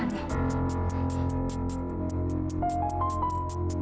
karena kamu mengkhianati dia sebagai suami